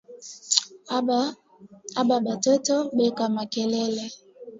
Aba ba toto beko makelele